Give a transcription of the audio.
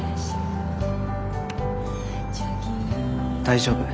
大丈夫。